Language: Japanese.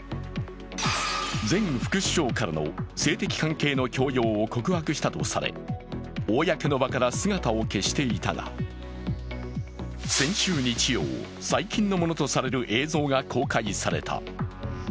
前副首相からの性的関係の強要を告白したとされ、公の場から姿を消していたが、先週日曜、最近のものとされる映像が公開された。